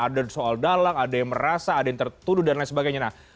ada soal dalang ada yang merasa ada yang tertuduh dan lain sebagainya